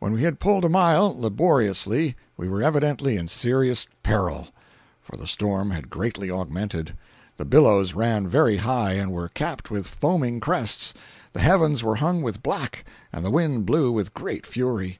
When we had pulled a mile, laboriously, we were evidently in serious peril, for the storm had greatly augmented; the billows ran very high and were capped with foaming crests, the heavens were hung with black, and the wind blew with great fury.